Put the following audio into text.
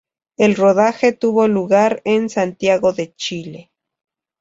El rodaje tuvo lugar en Santiago de Chile.